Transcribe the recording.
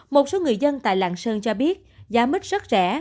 một số người dân tại lạng sơn cho biết giá mít rất rẻ